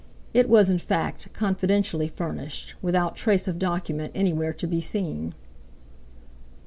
It was, in fact, confidentially furnished, without trace of document anywhere to be seen.